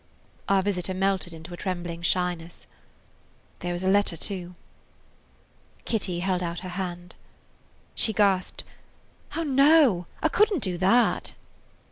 Our visitor melted into a trembling shyness. "There was a letter, too." Kitty held out her hand. She gasped: "Oh, no, I couldn't do that!"